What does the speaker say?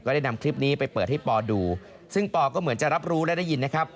ได้นำคลิปนี้ไปเปิดให้ปอดูซึ่งปอก็เหมือนจะรับรู้และได้ยินนะครับ